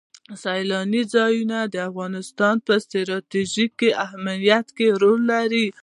سیلانی ځایونه د افغانستان په ستراتیژیک اهمیت کې رول لري.